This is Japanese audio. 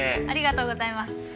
ありがとうございます。